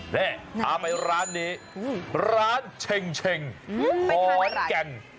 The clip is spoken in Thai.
และพาไปร้านนี้ร้านเช็งเช็งคอนแก่น